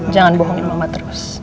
jangan bohongin mama terus